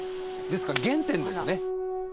ですから原点ですね。